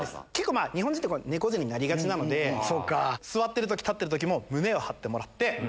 日本人って猫背になりがちなので座ってる時立ってる時も胸を張ってもらって。